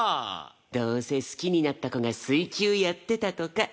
どうせ好きになった子が水球やってたとかですよね？